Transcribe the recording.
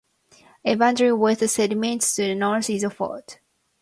Its boundary with the sediments to the north is a fault.